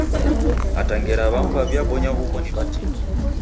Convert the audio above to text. Hata ngera w'amu w'aw'ibonya huw'o ni w'atini.